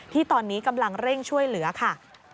ที่ตอนนี้กำลังเร่งช่วยเหลือค่ะ